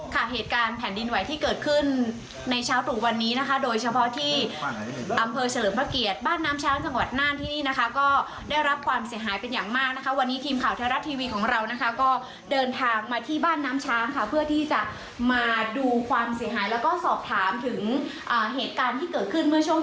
เหตุการณ์แผ่นดินไหวที่เกิดขึ้นในเช้าตรู่วันนี้นะคะโดยเฉพาะที่อำเภอเฉลิมพระเกียรติบ้านน้ำช้างจังหวัดน่านที่นี่นะคะก็ได้รับความเสียหายเป็นอย่างมากนะคะวันนี้ทีมข่าวไทยรัฐทีวีของเรานะคะก็เดินทางมาที่บ้านน้ำช้างค่ะเพื่อที่จะมาดูความเสียหายแล้วก็สอบถามถึงเหตุการณ์ที่เกิดขึ้นเมื่อช่วง